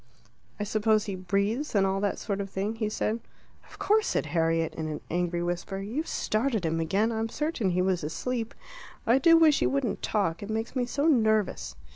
"I suppose he breathes, and all that sort of thing?" he said. "Of course," said Harriet, in an angry whisper. "You've started him again. I'm certain he was asleep. I do wish you wouldn't talk; it makes me so nervous."